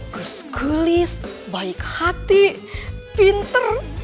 gres gulis baik hati pinter